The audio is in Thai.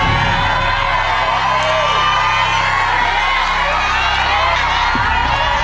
เวลาดี